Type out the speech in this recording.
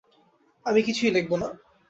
আমি কিছুই লেখব না।